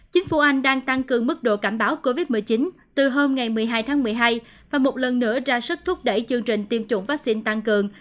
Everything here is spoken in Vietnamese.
chính phủ anh đang tăng cường mức độ cảnh báo covid một mươi chín từ hôm ngày một mươi hai tháng một mươi hai và một lần nữa ra sức thúc đẩy chương trình tiêm chủng vaccine tăng cường